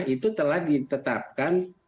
itu telah ditetapkan